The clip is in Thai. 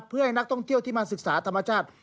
เพื่อให้นักท่องเที่ยวที่มาศึกษาธรรมชาติ